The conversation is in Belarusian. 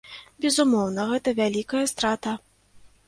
Безумоўна, гэта вялікая страта.